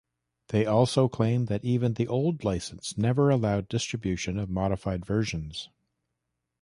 They also claimed that even the old license never allowed distribution of modified versions.